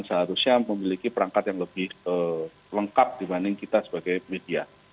seharusnya memiliki perangkat yang lebih lengkap dibanding kita sebagai media